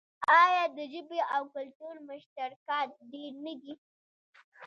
آیا د ژبې او کلتور مشترکات ډیر نه دي؟